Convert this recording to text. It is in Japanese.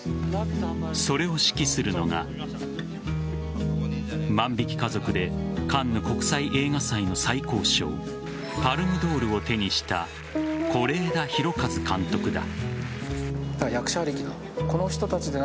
それを指揮するのが「万引き家族」でカンヌ国際映画祭の最高賞パルムドールを手にした是枝裕和監督だ。